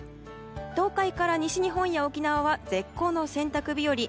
東海から西日本や沖縄は絶好の洗濯日和。